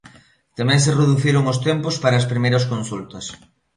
Tamén se reduciron os tempos para as primeiras consultas.